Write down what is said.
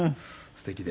すてきで。